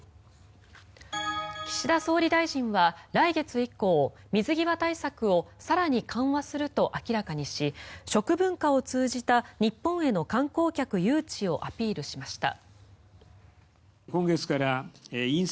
岸田総理大臣は来月以降水際対策を更に緩和すると明らかにし食文化を通じた日本への観光客誘致をアピールしました。